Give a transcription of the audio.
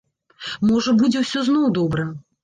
Можа, будзе ўсё зноў добра.